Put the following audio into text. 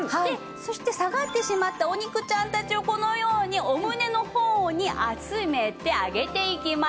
そして下がってしまったお肉ちゃんたちをこのようにお胸の方に集めて上げていきます。